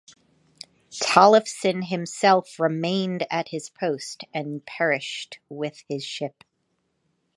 Tollefsen himself remained at his post and perished with his ship.